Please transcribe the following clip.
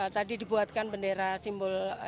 tadi dibuatkan bendera singapura